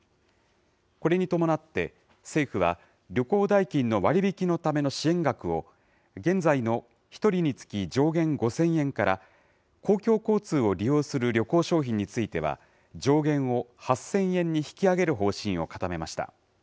これに伴って、政府は、旅行代金の割引のための支援額を、現在の１人につき上限５０００円から、公共交通を利用する旅行商品については、上限を８０００円に引き上げる方針を固めました。